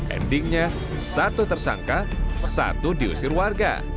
endingnya satu tersangka satu diusir warga